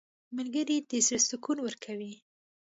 • ملګری د زړه سکون ورکوي.